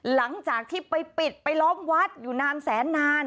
หลังจากที่ไปปิดไปล้อมวัดอยู่นานแสนนาน